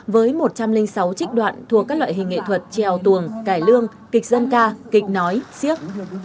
với một trăm linh sáu trích đoạn thuộc các loại hình nghệ thuật trèo tuồng cải lương kịch dân ca kịch nói siếc